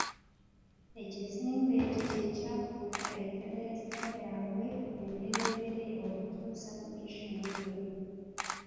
Ekizimbe ekyo kye kyafuuka eklezia yaabwe embereberye okutuusa Mission eyo.